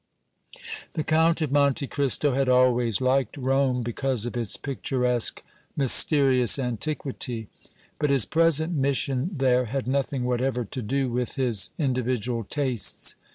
The Count of Monte Cristo had always liked Rome because of its picturesque, mysterious antiquity, but his present mission there had nothing whatever to do with his individual tastes.